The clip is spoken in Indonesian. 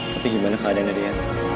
tapi gimana keadaan dari ya